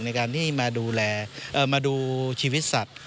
ในการที่มาดูชีวิตสัตว์